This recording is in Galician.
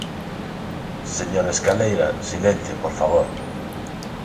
¡Señor Escaleira, silencio, por favor!